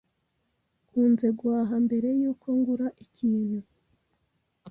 Nkunze guhaha mbere yuko ngura ikintu.